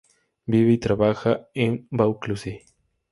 Vive y trabaja en Vaucluse.